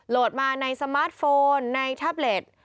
โหลดมาในสมาร์ทโฟนในทับเลท